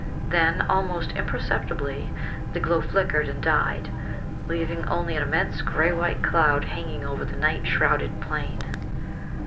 Then, almost imperceptibly, the glow flickered and died, leaving only an immense grey white cloud hanging over the night shrouded plain.